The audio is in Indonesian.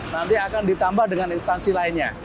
nanti akan ditambah dengan instansi lainnya